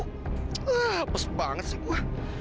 hapus banget sih gue